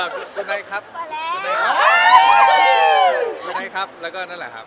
คุณให้ครับคุณให้ครับคุณให้ครับแล้วก็นั่นแหละครับ